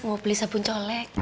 mau beli sabun colek